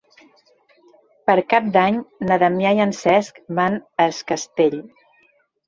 Per Cap d'Any na Damià i en Cesc van a Es Castell.